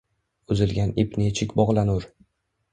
Uzilgan ip nechuk bog’lanur?